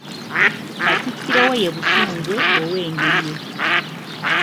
Katikkiro we ye Busungwe ow'Engeye.